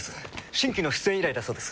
新規の出演依頼だそうです。